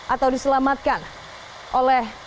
atau diselamatkan oleh